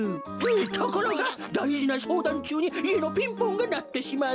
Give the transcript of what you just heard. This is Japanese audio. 「ところがだいじなしょうだんちゅうにいえのピンポンがなってしまい」。